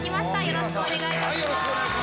よろしくお願いします。